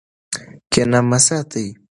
کینه مه ساتئ.